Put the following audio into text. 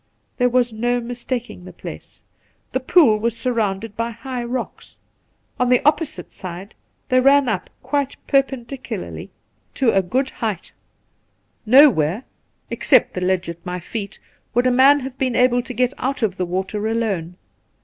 There was no mistaking the place. The pool was surrounded by high rocks ; on the opposite side they ran up quite perpendicularly to 12—2 [8o The Pool a good height. Nowhere, except the ledge at my feet, would a man have been able to get out of the water alone.